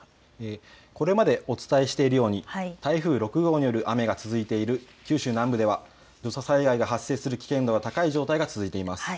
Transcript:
これまでお伝えしているように台風６号による雨が続いている九州南部では土砂災害が発生する危険度が高い状態が続いています。